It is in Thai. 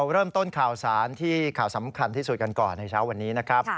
เริ่มต้นข่าวสารที่ข่าวสำคัญที่สุดกันก่อนในเช้าวันนี้นะครับ